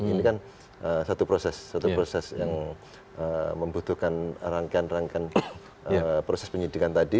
ini kan satu proses satu proses yang membutuhkan rangkaian rangkaian proses penyidikan tadi